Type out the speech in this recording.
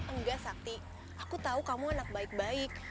enggak sakti aku tahu kamu anak baik baik